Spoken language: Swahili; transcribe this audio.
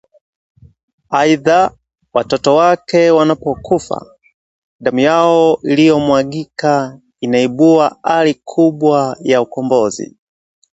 Aidha, watoto wake wanapokufa, damu yao iliyomwagika inaibua ari kubwa ya ukombozi